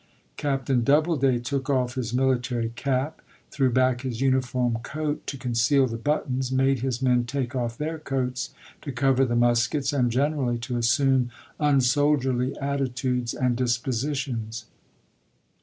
Captain Doubleday took off his military cap, threw back his uniform coat to conceal the buttons, made his men take off their coats to cover the muskets, and generally to assume un soldierly atti tudes and dispositions.